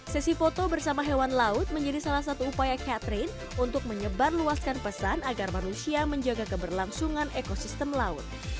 sesi foto bersama hewan laut menjadi salah satu upaya catherine untuk menyebarluaskan pesan agar manusia menjaga keberlangsungan ekosistem laut